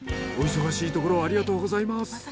お忙しいところをありがとうございます。